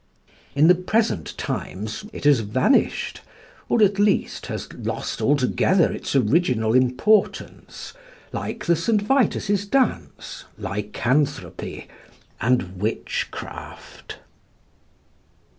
In the present times, it has vanished, or at least has lost altogether its original importance, like the St. Vitus's dance, lycanthropy, and witchcraft.